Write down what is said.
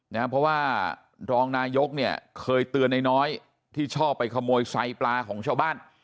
เพราะว่ารองนายกเนี่ยเคยเตือนนายน้อยที่ชอบไปขโมยไซปลาของชาวบ้าน